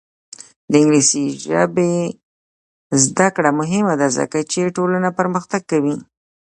د انګلیسي ژبې زده کړه مهمه ده ځکه چې ټولنه پرمختګ کوي.